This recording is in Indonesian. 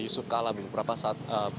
yusuf kalla beberapa saat